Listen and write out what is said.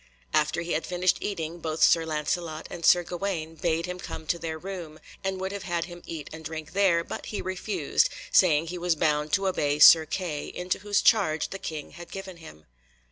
After he had finished eating both Sir Lancelot and Sir Gawaine bade him come to their room, and would have had him eat and drink there, but he refused, saying he was bound to obey Sir Kay, into whose charge the King had given him.